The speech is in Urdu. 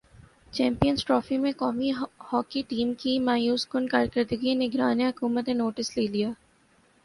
چیمپینز ٹرافی میں قومی ہاکی ٹیم کی مایوس کن کارکردگی نگران حکومت نے نوٹس لے لیا